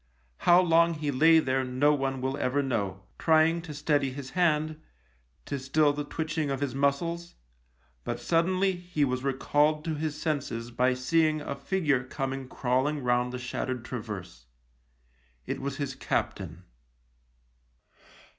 How long he lay there no one will ever know, trying to steady his hand, to still the twitching of his muscles ; but sud denly he was recalled to his senses by seeing a figure coming crawling round the shattered traverse. It was his captain.